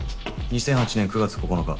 ２００８年９月９日。